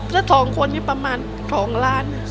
ถ้า๒คนประมาณ๒ล้าน